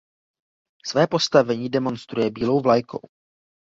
Své postavení demonstruje bílou vlajkou.